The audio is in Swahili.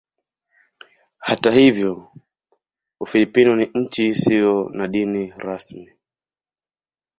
Hata hivyo Ufilipino ni nchi isiyo na dini rasmi.